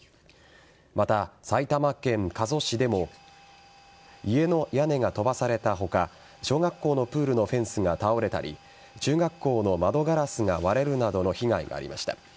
また、埼玉県加須市でも家の屋根が飛ばされた他小学校のプールのフェンスが倒れたり中学校の窓ガラスが割れるなどの被害がありました。